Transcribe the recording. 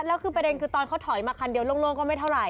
แล้วคือประเด็นคือตอนเขาถอยมาคันเดียวโล่งก็ไม่เท่าไห